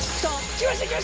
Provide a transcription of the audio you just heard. きました